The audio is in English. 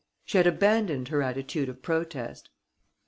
She had abandoned her attitude of protest.